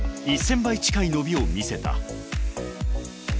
１，０００倍近い伸びを見せた。